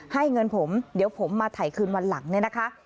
ให้เงินผมเดี๋ยวผมมาถ่ายคืนวันหลังเนี่ยนะคะ